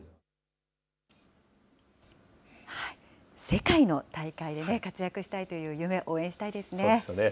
世界の大会で活躍したいという夢、応援したいですね。